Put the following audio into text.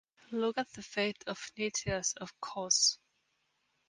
Look at the fate of Nicias of Cos.